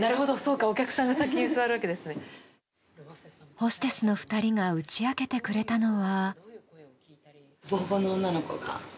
ホステスの２人が打ち明けてくれたのは。